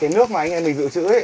cái nước mà anh em mình giữ chữ ấy